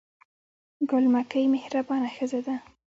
بل مکۍ مهربانه ښځه ده.